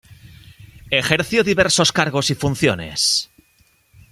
Ejerció diversos cargos y funciones.